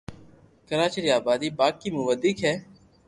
ڪراچي ري آبادي باقي مون وديڪ ھي